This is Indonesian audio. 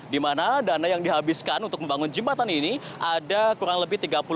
dimana dana yang dihabiskan untuk membangun jembatan ini ada kurang lebih tiga puluh lima miliar rupiah